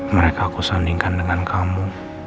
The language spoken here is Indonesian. mereka aku sandingkan dengan kamu